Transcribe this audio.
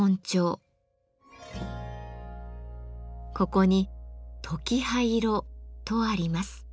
ここに「とき羽色」とあります。